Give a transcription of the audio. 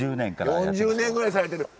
４０年ぐらいされてる。